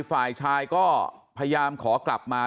ฝ่ายชายก็พยายามขอกลับมา